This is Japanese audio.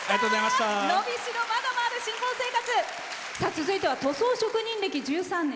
続いては塗装職人歴１９年。